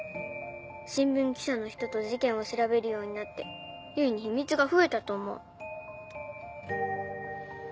新聞記者の人と事件を調べるようになって唯に秘密が増えたと思う。